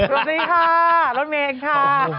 สวัสดีค่ะรถเมนค่ะ